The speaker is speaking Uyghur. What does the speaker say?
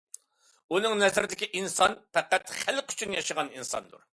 ئۇنىڭ نەزىرىدىكى ئىنسان پەقەت خەلق ئۈچۈن ياشىغان ئىنساندۇر.